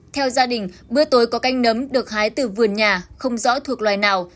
theo gia đình bữa tối có canh nấm được hái từ vườn nhà không rõ thuộc loài nào